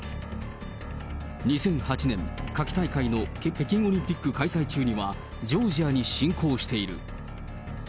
２００８年、夏季大会の北京オリンピック開催中には、ジョージアに侵攻している。